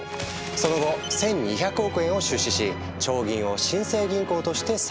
その後１，２００億円を出資し長銀を新生銀行として再建。